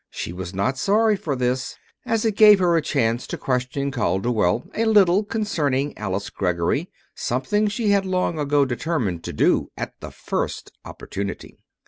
She was not sorry for this, as it gave her a chance to question Calderwell a little concerning Alice Greggory something she had long ago determined to do at the first opportunity.